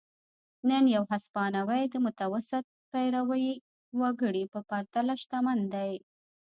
نن یو هسپانوی د متوسط پیرويي وګړي په پرتله شتمن دی.